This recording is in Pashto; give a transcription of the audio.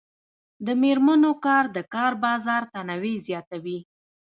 د میرمنو کار د کار بازار تنوع زیاتوي.